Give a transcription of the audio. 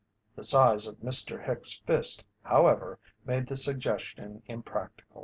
The size of Mr. Hicks' fist, however, made the suggestion impractical.